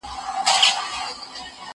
زه پرون د سبا لپاره د درسونو يادوم!!